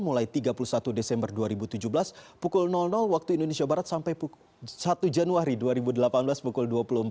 mulai tiga puluh satu desember dua ribu tujuh belas pukul waktu indonesia barat sampai satu januari dua ribu delapan belas pukul dua puluh empat